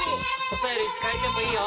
おさえるいちかえてもいいよ。